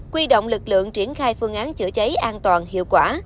quy động lực lượng triển khai phương án chữa cháy an toàn hiệu quả